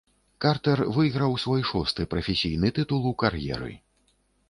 Картэр выйграў свой шосты прафесійны тытул у кар'еры.